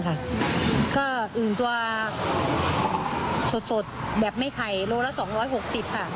ก็อึ่งตัวสดแบบไม่ไข่โลละ๒๖๐ค่ะ